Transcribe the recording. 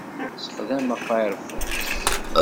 Ssexdameɣ Firefox.